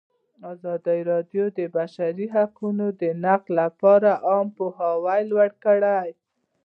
ازادي راډیو د د بشري حقونو نقض لپاره عامه پوهاوي لوړ کړی.